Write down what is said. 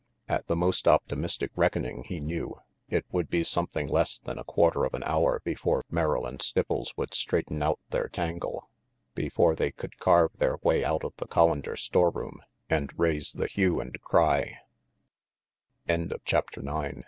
At the most optimistic reckoning, he knew, it would be something less than a quarter of an hour before Merrill and Stipples would straighten out their tangle, before they could carve their way out of the Collander storeroom and raise the hue and